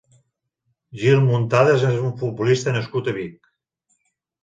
Gil Muntadas és un futbolista nascut a Vic.